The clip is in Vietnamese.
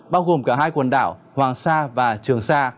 bao gồm cả hai quần đảo hoàng sa và trường sa